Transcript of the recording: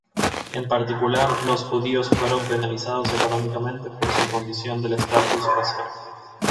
En particular, los judíos fueron penalizados económicamente por su condición del estatus racial.